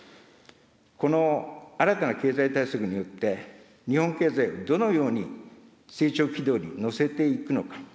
この新たな経済対策によって、日本経済をどのように成長軌道に乗せていくのか。